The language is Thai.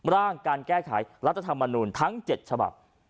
ร่างการแก้ไขรัฐธรรมนูลทั้ง๗ฉบับ